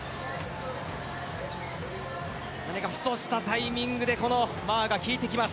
ふとしたタイミングでマーが効いてきます。